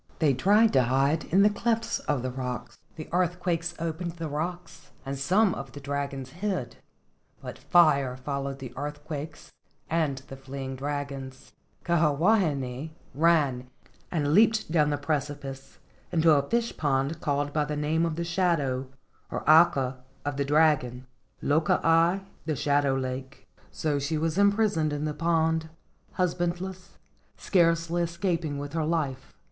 They tried to hide in the clefts of the rocks. The earthquakes opened the rocks and some of the dragons hid, but fire followed the earthquakes and the fleeing dragons. Kiha wahine ran and leaped down the precipice into a fish pond called by the name of the shadow, or aka, of the dragon, Loko aka (the shadow lake). So she was imprisoned in the pond, husband¬ less, scarcely escaping with her life.